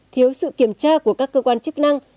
thiếu sự kiểm tra của các cơ quan chức năng